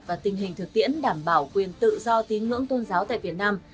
và tình hình thực tiễn đảm bảo quyền tự do tín ngưỡng tôn giáo tại việt nam